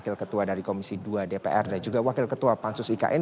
komisi dua dpr dan juga wakil ketua pansus ikn